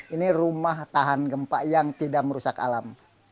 ini rumah tahan gempa yang tidak merusak alam